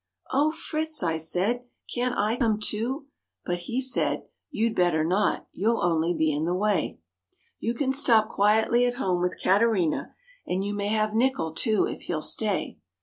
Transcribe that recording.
"Oh, Fritz!" I said, "can't I come too?" but he said, "You'd better not, you'll only be in the way. You can stop quietly at home with Katerina, and you may have Nickel too, if he'll stay."